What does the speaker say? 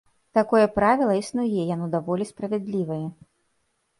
Такое правіла існуе, яно даволі справядлівае.